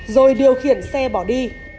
rồi điều khiển xe bỏ đi